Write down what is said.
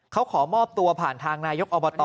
เขาขอมอบตัวผ่านทางนายกอบต